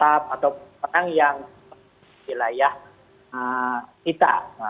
atau orang yang wilayah kita